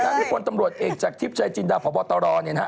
ถูกถ้าที่คนตำรวจเอกจากทิพย์ชายจินดาพตเนี่ยนะฮะ